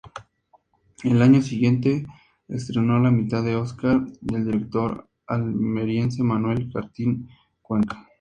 El año siguiente estrenó "La mitad de Óscar", del director almeriense Manuel Martín Cuenca.